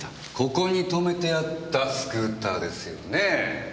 ここに止めてあったスクーターですよね？